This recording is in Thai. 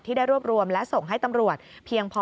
ได้รวบรวมและส่งให้ตำรวจเพียงพอ